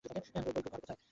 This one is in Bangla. কই, ঘরে কোথায়?